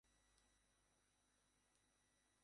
নিতান্ত নাস্তি থেকেই এগুলো সৃষ্টি করা হয়েছে।